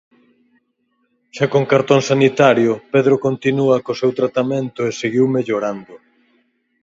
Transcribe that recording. Xa con cartón sanitario, Pedro continúa co seu tratamento e seguiu mellorando.